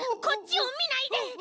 こっちをみないで！